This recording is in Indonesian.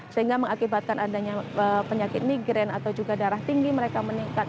sehingga mengakibatkan adanya penyakit nigrain atau juga darah tinggi mereka meningkat